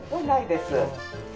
ないです。